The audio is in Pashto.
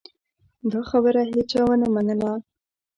دا خبره هېچا ونه منله.